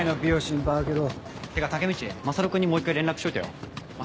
てかタケミチマサル君にもう一回連絡しといてよ。